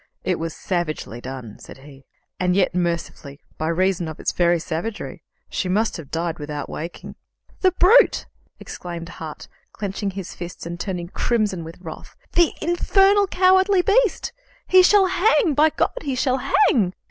"It was savagely done," said he, "and yet mercifully, by reason of its very savagery. She must have died without waking." "The brute!" exclaimed Hart, clenching his fists and turning crimson with wrath. "The infernal cowardly beast! He shall hang! By God, he shall hang!"